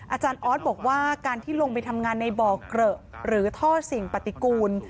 อาจารย์ออสบอกว่าการที่ลงไปทำงานในบ่อเกลอะหรือท่อสิ่งปฏิกูล